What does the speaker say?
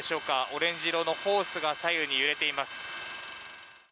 オレンジ色のホースが左右に揺れています。